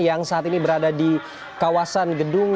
yang saat ini berada di kawasan gedung